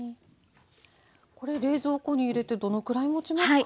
これ冷蔵庫に入れてどのくらいもちますか？